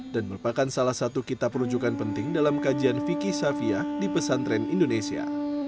dan merupakan salah satu kitab peruncukan penting dalam kajian vicky shafiah di pesantren indonesia